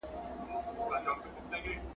زما امام دی `